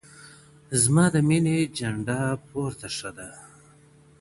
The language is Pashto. زما د ميني جنډه پورته ښه ده.